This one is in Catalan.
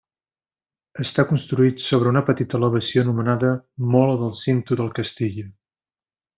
Està construït sobre una petita elevació anomenada mola del Cinto del Castillo.